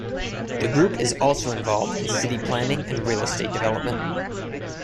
The group is also involved in city planning and real estate development.